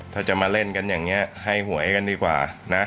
ถ้าจะมาเล่นกันอย่างนี้ให้หวยกันดีกว่านะ